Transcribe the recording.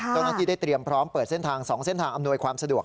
เจ้าหน้าที่ได้เตรียมพร้อมเปิดเส้นทาง๒เส้นทางอำนวยความสะดวก